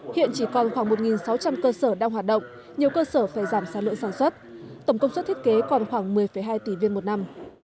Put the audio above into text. hiện chỉ còn khoảng một sáu trăm linh cơ sở đang hoạt động nhiều cơ sở phải giảm sản lượng sản xuất tổng công suất thiết kế còn khoảng một mươi hai tỷ viên một năm